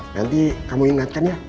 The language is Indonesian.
nanti kamu ingatkan ya